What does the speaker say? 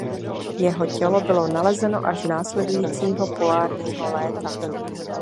Jeho tělo bylo nalezeno až následujícího polárního léta.